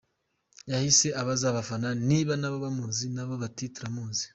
Yahise abaza abafana niba nabo bamuzi, nabo bati “Turamuzi”.